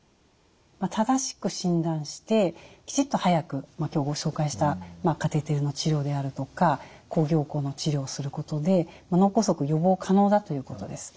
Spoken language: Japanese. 正しく診断してきちっと早く今日ご紹介したカテーテルの治療であるとか抗凝固の治療をすることで脳梗塞予防可能だということです。